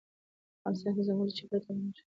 افغانستان کې ځنګلونه د چاپېریال د تغیر نښه ده.